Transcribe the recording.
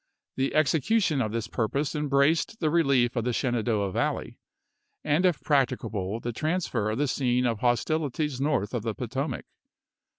The execution of this purpose em braced the relief of the Shenandoah Valley, ... and if practicable the transfer of the scene of hos tilities north of the Potomac."